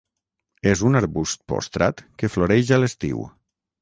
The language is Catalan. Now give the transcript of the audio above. És un arbust postrat que floreix a l'estiu.